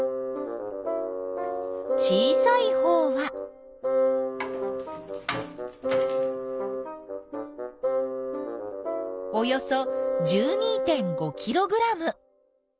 小さいほうはおよそ１２．５ｋｇ。